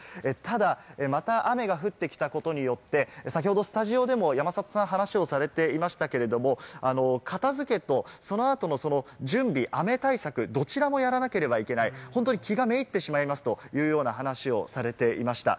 ただ、また雨が降ってきたことによって、先ほどスタジオでも山里さんが話をされていましたけれども、片付けとその後の準備、雨対策、どちらもやらなければいけない、本当に気が滅入ってしまいますというような話をされていました。